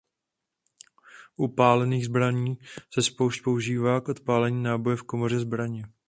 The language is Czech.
U palných zbraní se spoušť používá k odpálení náboje v komoře zbraně.